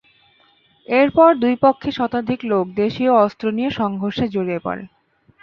এরপর দুই পক্ষের শতাধিক লোক দেশীয় অস্ত্র নিয়ে সংঘর্ষে জড়িয়ে পড়ে।